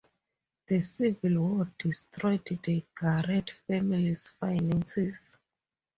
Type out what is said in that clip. The Civil War destroyed the Garrett family's finances.